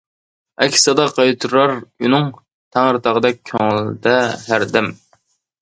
ئەكس سادا قايتۇرار ئۈنۈڭ، تەڭرىتاغدەك كۆڭۈلدە ھەردەم.